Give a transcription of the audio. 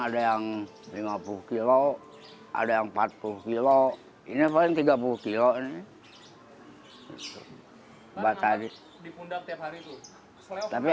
ada yang lima puluh kilo ada yang empat puluh kilo ini paling tiga puluh kilo batali dipundang tiap hari itu tapi